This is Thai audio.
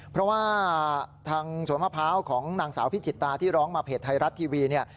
เพราะว่าทางสวนมะพร้าวของนางสาวพิจิตตาที่ร้องมาเพจไทยรัฐทีวีเนี่ย